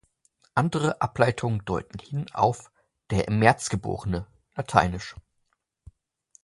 Andere Ableitungen deuten hin auf "der im März geborene" (lateinisch).